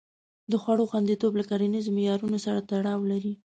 د خوړو خوندیتوب له کرنیزو معیارونو سره تړاو لري.